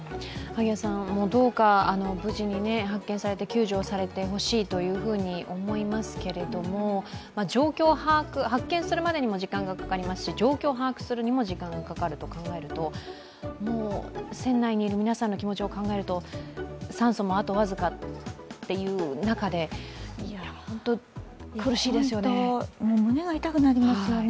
どうか無事に発見されて救助されてほしいと思いますけど、状況把握、発見するまでにも時間がかかりますし状況を把握するにも時間がかかると考えるともう船内にいる皆さんの気持ちを考えると、酸素もあと僅かという中で胸が痛くなりますよね。